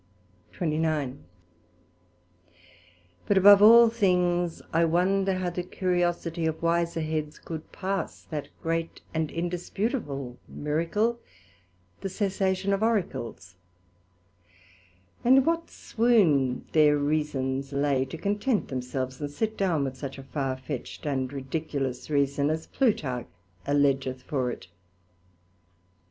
SECT.29 But above all things I wonder how the curiosity of wiser heads could pass that great and indisputable Miracle, the cessation of Oracles; and in what swoun their Reasons lay, to content themselves, and sit down with such a far fetch'd and ridiculous reason as Plutarch alleadgeth for it.